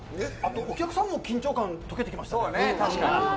お客さんも緊張感とけてきましたね。